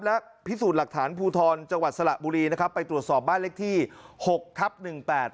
และพิสูจน์หลักฐานภูทรจังหวัดสระบุรีนะครับไปตรวจสอบบ้านเลขที่หกทับหนึ่งแปด